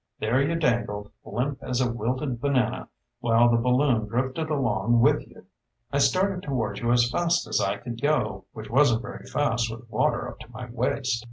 There you dangled, limp as a wilted banana while the balloon drifted along with you. I started toward you as fast as I could go, which wasn't very fast with water up to my waist."